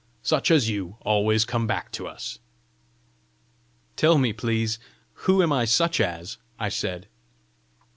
Such as you always come back to us." "Tell me, please, who am I such as?" I said.